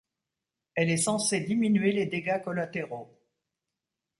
Elle est censée diminuer les dégâts collatéraux.